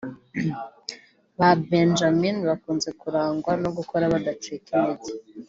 Ba Benjamin bakunze kurangwa no gukora badacika intege